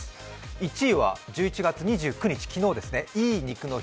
１位は１１月２９日、昨日ですね、いい肉の日。